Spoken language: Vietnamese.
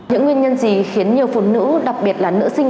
những nguyên nhân gì khiến nhiều phụ nữ đặc biệt là nữ sinh